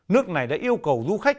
nước này đã yêu cầu du khách